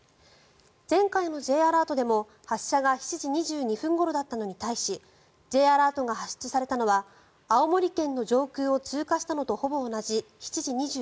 前回のＪアラートでも、発射が７時２２分ごろだったのに対しＪアラートが発出されたのは青森県の上空を通過したのとほぼ同じ７時２９分。